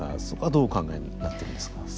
そこはどうお考えになってるんですか。